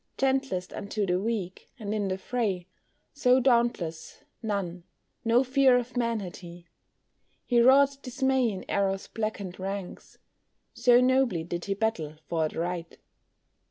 Gentlest unto the weak, and in the fray, So dauntless, none no fear of man had he; He wrought dismay in Error's blackened ranks So nobly did he battle for the right.